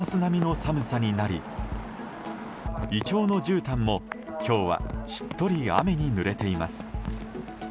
東京も日中クリスマス並みの寒さになりイチョウのじゅうたんも、今日はしっとり雨にぬれています。